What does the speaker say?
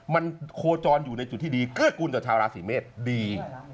มันโคจรอยู่ในจุดที่ดีเกื้อกูลต่อชาวราศีเมษดี